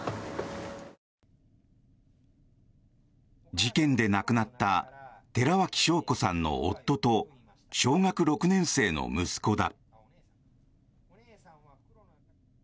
事件で亡くなった寺脇晶子さんの夫と小学６年生の息子だ。